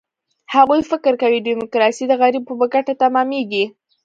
هغوی فکر کوي، ډیموکراسي د غریبو په ګټه تمامېږي.